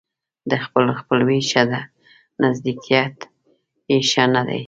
د خپل خپلوي ښه ده ، نژدېکت يې ښه نه دى.